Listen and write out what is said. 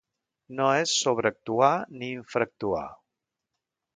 No és sobreactuar ni infraactuar.